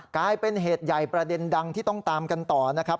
กลายเป็นเหตุใหญ่ประเด็นดังที่ต้องตามกันต่อนะครับ